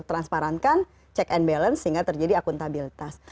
transparan kan check and balance sehingga terjadi akuntabilitas